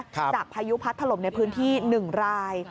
พายุพัดถล่มในพื้นที่๑ราย